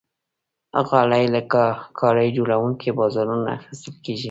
غالۍ له کالي جوړونکي بازارونو اخیستل کېږي.